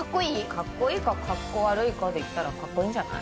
かっこいいかかっこ悪いかで言ったらかっこいいんじゃない？